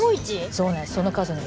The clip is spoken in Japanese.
そうなんです。